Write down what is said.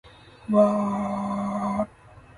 わーーーーーーーー